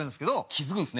気付くんですね。